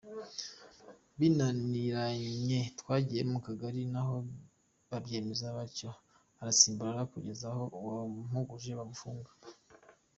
Binaniranye twagiye mu Kagari na ho babyemeza batyo, aratsimbarara kugeza aho uwampuguje bamufunga.